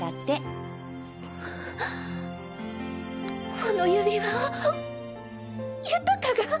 この指輪を豊が。